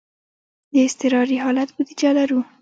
د اضطراري حالت بودیجه لرو؟